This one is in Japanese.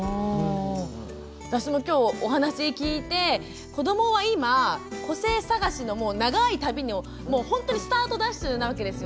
私もきょうお話聞いて子どもは今個性探しの長い旅のもうほんとにスタートダッシュなわけですよね。